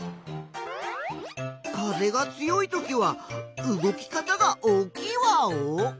風が強いときは動き方が大きいワオ？